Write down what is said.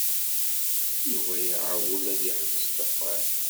Yuba iɛewwel ad yeḥbes ddexxan.